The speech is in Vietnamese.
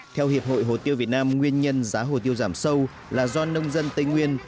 theo hiệp hội hồ tiêu việt nam nguyên nhân giá hồ tiêu giảm sâu là do nông dân tây nguyên